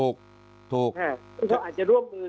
อย่างนั้นเนี่ยถ้าเราไม่มีอะไรที่จะเปรียบเทียบเราจะทราบได้ไงฮะเออ